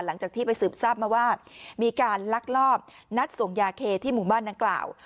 หลังจากที่ไปสืบทราบมาว่ามีการลักลอบนัดส่งยาเคที่หมู่บ้านดังกล่าว